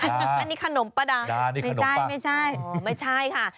อันนี้ขนมปลาดาดานี่ขนมปลาดาไม่ใช่ไม่ใช่อ๋อไม่ใช่ค่ะ